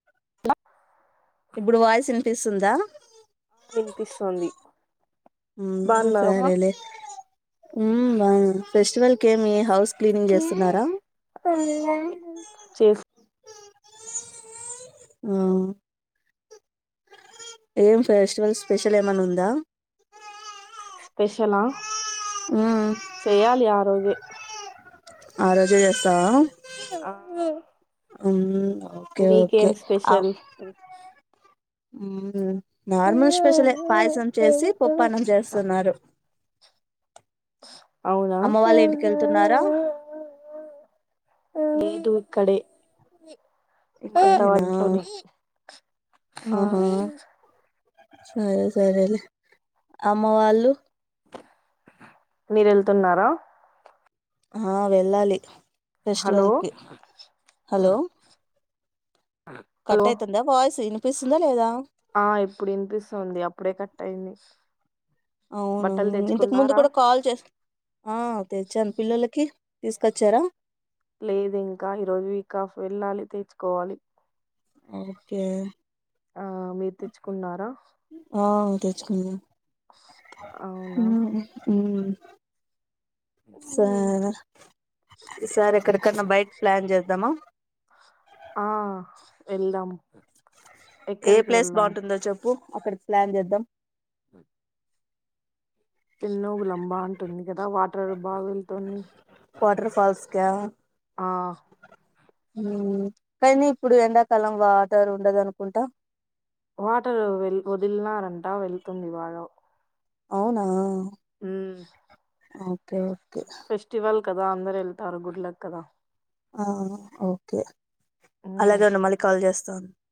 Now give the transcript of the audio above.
ఇప్పుడు వాయిస్ వినిపిస్తుందా వినిపిస్తుంది ఉమ్ బాగున్నావా సారేలే ఉమ్ బాన ఫెస్టివల్ కేమి హౌస్ క్లీనింగ్ చేస్తున్నారా చేఫ్ ఆ ఏం ఫేస్టివల్ స్పెషల్ ఏమన్నా ఉందా స్పెషలా మ్మ్ అదే ఆరోజే చేస్ ఆ ఉమ్ మీకేం స్పెషల్ ఉంది నార్మల్ స్పెషలే పాయసం చేసి పప్పన్నం చేస్తున్నారు అవునా అమ్మ వాళ్ళ ఇంటికెళ్తున్నారా ఈ టు కడే ఇక్కడేనా బవంట్లోనే ఆ ఆహా సరే సరే లే అ అమ్మ వాళ్ళు మీరు వెళ్తున్నారా ఆ వెళ్ళాలి హలో ఫెస్టివల్ కి హలో కట్ హలో అయితుందా వాయిస్ వినిపిస్తుందా లేదా ఆ ఇప్పుడు వినిపిస్తుంది అప్పుడే కట్ట టైనిస్ అవును ఇంతకు ముందు కూడా కాల్ చే ఆ తెచ్చాను పిల్లలకి తీసుకొచ్చారా లేదు ఇంకా ఈరోజు వీక్ ఆఫ్ వెళ్ళాలి తెచుకోవాలి ఓకే ఆ మీరు తెచ్చుకున్నారా ఆ తెచ్చుకున్నా అవునా ఉమ్ ఉమ్ స మ్మ్. ఈ సారె ఎక్కడకన్నా బైటకి ప్లాన్ చేద్దామా వెళదాం ఏ ప్లేస్ బాగుంటుందో చెప్పు అక్కడకి ప్లాన్ చేద్దాం ఎన్నో విలంబా అంటుంది కదా వాటర్ బాగా వెళ్తోంది వాటర్ ఫాల్స్ కా ఆ ఉమ్ కాయినీ ఇప్పుడు ఎండాకాలం వాటర్ ఉండదు అనుకుంటా వాటర్ వదిలినారంటా వెళ్తుంది ఇవాలో అవునా ఉమ్ ఓకే ఓకే ఫెస్టివల్ కదా అందరు వెళ్తారు గుడ్ లక్ కదా ఆ ఓకే అలాగే ఉన్న మళ్ళీ కాల్ చేస్తా సన్